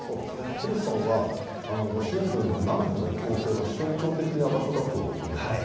ヘルソンはロシア軍の南部の攻勢の象徴的な場所だと思います。